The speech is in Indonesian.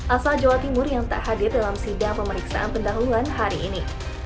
asal jawa timur yang tak hadir dalam sidang pemeriksaan pendahuluan hari ini